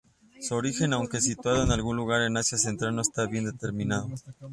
Su origen, aunque situado en algún lugar de Asia Central, no está bien determinado.